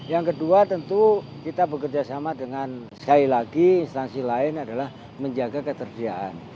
yang kedua tentu kita bekerja sama dengan sekali lagi instansi lain adalah menjaga ketersediaan